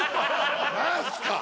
何すか。